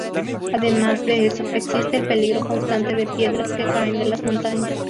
Además de eso, existe el peligro constante de piedras que caen de las montañas.